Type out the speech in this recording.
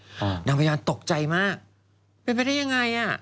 นางพยาบาลตกใจมากเป็นไปได้อย่างไร